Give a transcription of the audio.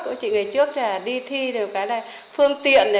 cô chị ngày trước đi thi được cái là phương tiện